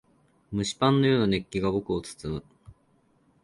蒸しパンのような熱気が僕を包む。